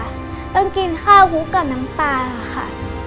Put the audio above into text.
ต้องกินข้าวฮุกกับน้ำปลาค่ะ